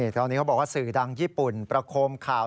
ตอนนี้เขาบอกว่าสื่อดังญี่ปุ่นประโคมข่าว